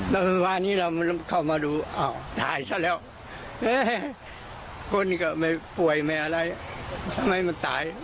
แล้วคนอีกก็ไม่ป่วยไม่อะไรทำไมมันตาย